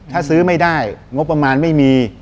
ถ้าซื้อไม่ได้งบประมาณไม่มี